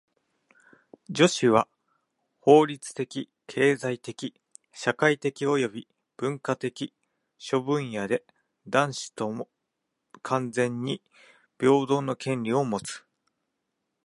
女子は法律的・経済的・社会的および文化的諸分野で男子と完全に平等の権利をもつ。